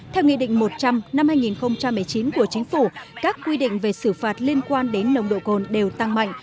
theo nghị định một trăm linh năm hai nghìn một mươi chín của chính phủ các quy định về xử phạt liên quan đến nồng độ cồn đều tăng mạnh